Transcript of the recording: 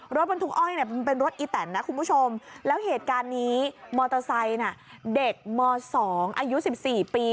รถบรรทุกอ้อยเนี่ยมันเป็นรถอีแตนนะคุณผู้ชมแล้วเหตุการณ์นี้มอเตอร์ไซค์น่ะเด็กม๒อายุ๑๔ปี